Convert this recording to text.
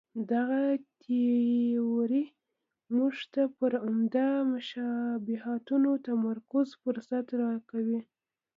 دغه تیوري موږ ته پر عمده مشابهتونو تمرکز فرصت راکوي.